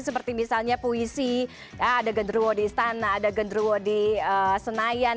seperti misalnya puisi ada genderuwo di istana ada genruwo di senayan